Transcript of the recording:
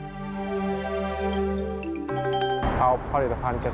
มีความรู้กับครอบครัวรอบโรงกลั่นของบางจาก